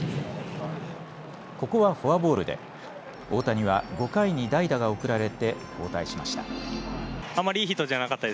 ここはフォアボールで大谷は５回に代打が送られて交代しました。